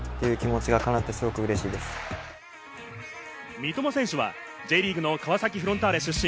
三笘選手はＪリーグの川崎フロンターレ出身。